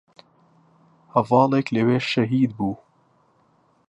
هەڤاڵێک لەوێ شەهید بوو